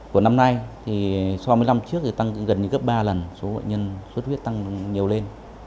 của năm nay thì so với năm trước thì tăng gần như gấp ba lần số bệnh nhân xuất huyết tăng nhiều lên